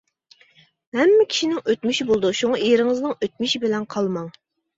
ھەممە كىشىنىڭ ئۆتمۈشى بولىدۇ، شۇڭا ئېرىڭىزنىڭ ئۆتمۈشى بىلەن قالماڭ.